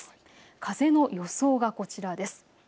風の予想がこちらです。